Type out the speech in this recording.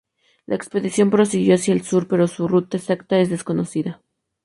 La expedición prosiguió hacia el sur pero su ruta exacta es desconocida.